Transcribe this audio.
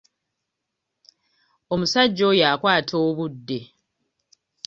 Omusajja oya akwata obudde.